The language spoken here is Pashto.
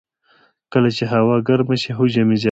کله چې هوا ګرمه شي، حجم یې زیاتېږي.